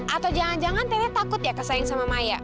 atau jangan jangan tele takut ya kesayang sama maya